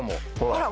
あら。